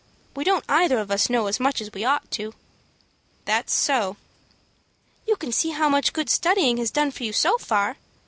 We don't either of us know as much as we ought to." "That's so." "You can see how much good studying has done for you so far.